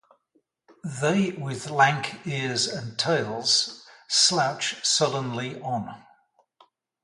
They with lank ears and tails slouch sullenly on.